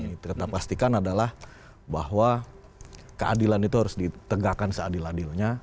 yang kita pastikan adalah bahwa keadilan itu harus ditegakkan seadil adilnya